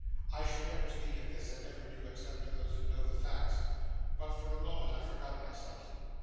'I should never speak of this, and never do, except to those who know the facts, but for a moment I forgot myself.